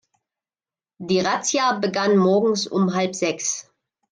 Die Razzia begann morgens um halb sechs.